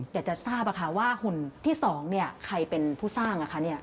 อยากจะทราบค่ะว่าหุ่นที่สองเนี่ยใครเป็นผู้สร้างอ่ะคะเนี่ย